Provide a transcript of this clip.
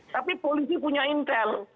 tapi polisi punya intel